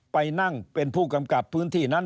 ไปนั่งเป็นผู้กำกับพื้นที่นั้น